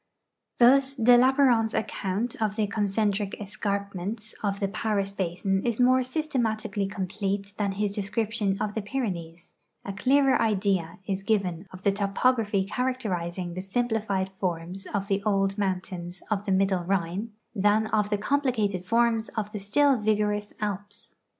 Thus de Lapparent's account of the concentric escarpments of the Paris basin is more systematically complete than his description of the Pyrenees ; a clearer idea is given of the topography characterizing the simplified forms of the old mountains of the middle Rhine than of the complicated forms of the still vigorous Alps.